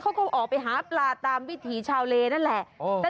เขาก็ออกไปหาปลาตามวิถีชาวเลนั่นแหละ